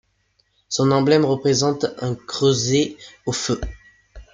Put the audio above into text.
Son emblème représente un creuset au feu.